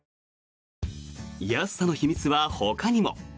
安さの秘密は、ほかにも。